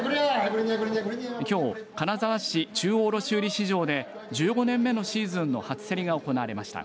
きょう金沢市中央卸売市場で１５年目のシーズンの初競りが行われました。